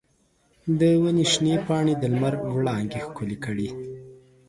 د ونې شنې پاڼې د لمر وړانګې ښکلې کړې.